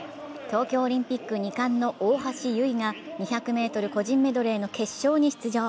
東京オリンピック２冠の大橋悠依が２００ｍ個人メドレーの決勝に出場。